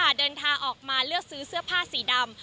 เดินทางออกมาเลือกซื้อเสื้อผ้าสีดำ